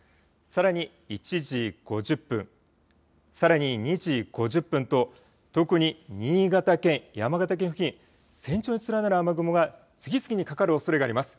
さらに１時５０分、さらに２時５０分と特に新潟県、山形県付近、線状に連なる雨雲が次々にかかるおそれがあります。